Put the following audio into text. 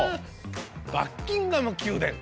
バッキンガム宮殿。